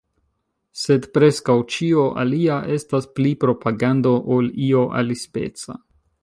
Sed preskaŭ ĉio alia estas pli propagando ol io alispeca.